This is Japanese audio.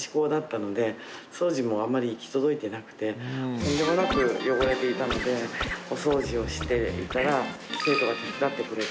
とんでもなく汚れていたのでお掃除をしていたら生徒が手伝ってくれて。